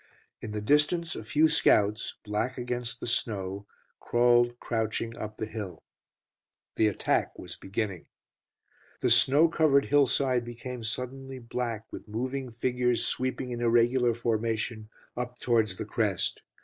In the distance a few scouts, black against the snow, crawled crouching up the hill. The attack was beginning. The snow covered hill side became suddenly black with moving figures sweeping in irregular formation up towards the crest.